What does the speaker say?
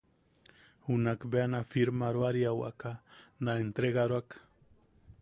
Junak bea na firmaroariawaka na entregaroak.